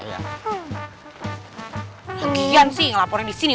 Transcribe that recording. lagian sih ngelaporin disini